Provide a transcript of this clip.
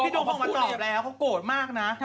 พี่โด่งเขามาตอบแล้วโกรธมากนะ